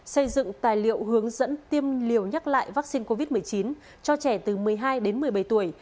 xây dựng tài liệu hướng dẫn tiêm liều nhắc lại vaccine covid một mươi chín cho trẻ từ một mươi hai đến một mươi bảy tuổi